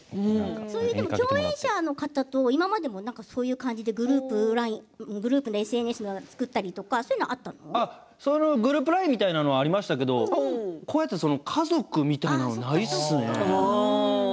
共演者の方と、今までもグループ、ＳＮＳを作ったりとグループＬＩＮＥみたいなものはありましたけど家族みたいなものはないですね。